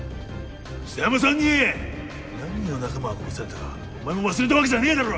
象山さんに何人の仲間が殺されたかお前も忘れたわけじゃねぇだろ。